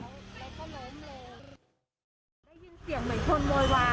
ได้ยินเสียงเหมือนคนโวยวาย